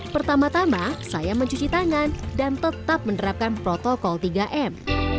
pertama tama saya mencuci tangan dan tetap menerapkan protokol tiga m